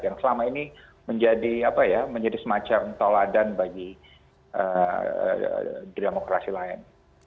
yang selama ini menjadi semacam toladan bagi demokrasi lain